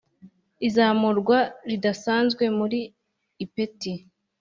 izamurwa ridasanzwe mu ipeti